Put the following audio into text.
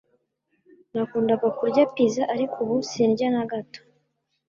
Nakundaga kurya pizza ariko ubu sindya na gato